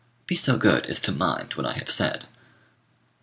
Be so good as to mind what I have said.